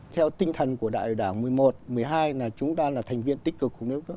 theo tinh thần của đại đảng một mươi một một mươi hai là chúng ta là thành viên tích cực của liên hiệp quốc